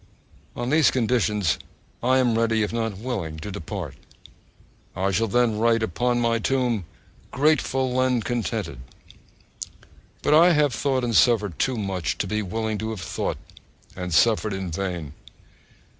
On these conditions I am ready, if not willing, to depart. I shall then write on my tomb GRATEFUL AND CONTENTED! But I have thought and suffered too much to be willing to have thought and suffered in vain.